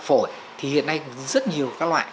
phổi thì hiện nay rất nhiều các loại